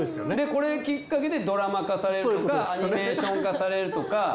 これきっかけでドラマ化されるとかアニメーション化されるとか。